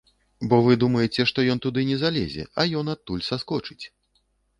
Бо вы думаеце, што ён туды не залезе, а ён адтуль саскочыць.